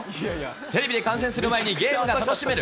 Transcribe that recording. テレビで観戦する前にゲームが楽しめる。